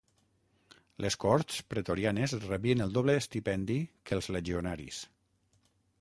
Les cohorts pretorianes rebien el doble estipendi que els legionaris.